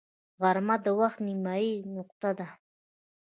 غرمه د وخت نیمايي نقطه ده